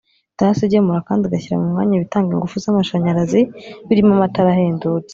Dassy igemura kandi igashyira mu mwanya ibitanga ingufu z’amashanyarazi birimo amatara ahendutse